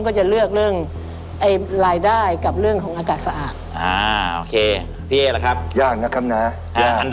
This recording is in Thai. ก็จะเลือกเรื่องรายได้กับเรื่องของอากาศสะอาด